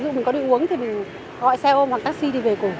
nếu như mình có được uống thì mình gọi xe ôm hoặc taxi đi về cùng